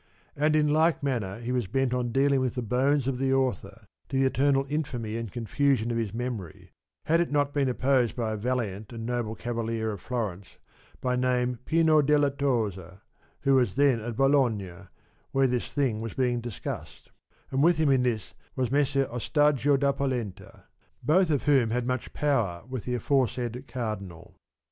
And in like manner he was bent on dealing with the bones of the author, to the eternal infamy and confusion of his memory, had it not been opposed by a valiant and noble cavalier of Florence, by name Pino della Tosa, who was then at Bologna, where this thing was being dis cussed ; and with him in this was Messer Ostagio da Polenta ; both of whom had much power with the aforesaid Cardinal.